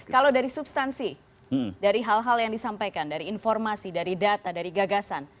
kalau dari substansi dari hal hal yang disampaikan dari informasi dari data dari gagasan